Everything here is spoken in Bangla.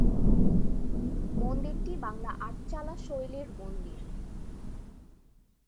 মন্দিরটি বাংলা আটচালা শৈলীর মন্দির।